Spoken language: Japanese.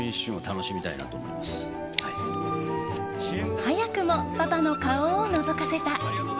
早くもパパの顔をのぞかせた。